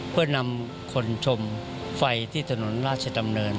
เพื่อนำคนชมไฟที่ถนนราชดำเนิน